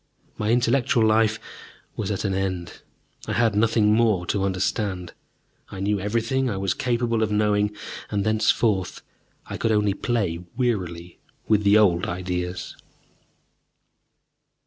My intellectual life was at an end. I had nothing more to understand. I knew everything I was capable of knowing, and, thenceforth, I could only play wearily with the old ideas.